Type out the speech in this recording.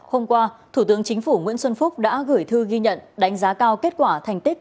hôm qua thủ tướng chính phủ nguyễn xuân phúc đã gửi thư ghi nhận đánh giá cao kết quả thành tích